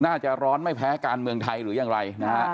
น่าจะร้อนไม่แพ้การเมืองไทยหรือยังไรนะฮะ